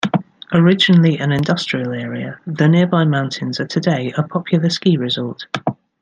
Originally an industrial area, the nearby mountains are today a popular ski resort.